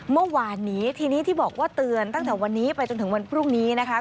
เมื่อวานนี้ทีนี้ที่บอกว่าเตือนตั้งแต่วันนี้ไปจนถึงวันพรุ่งนี้นะคะ